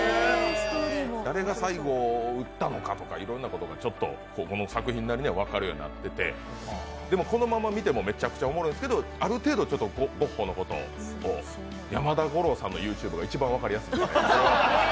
誰が最後に撃ったのかとか、いろんなことがこの作品で分かるようになっててこのまま見てもめちゃくちゃおもろいんですけどゴッホのことを、山田五郎さんのＹｏｕＴｕｂｅが一番分かりやすいです。